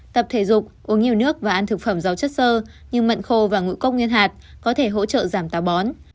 tập thể dục uống nhiều nước và ăn thực phẩm giàu chất sơ nhưng mận khô và ngũi cốc nguyên hạt có thể hỗ trợ giảm táo bón